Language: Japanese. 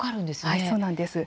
はいそうなんです。